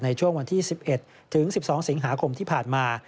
ในช่วงวันที่๑๑ถึง๑๒สิงหาคมที่ผ่านมา